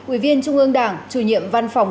ủy viên trung ương đảng chủ nhiệm văn phòng